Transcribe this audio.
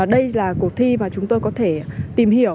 đây là cuộc thi mà chúng tôi có thể tìm hiểu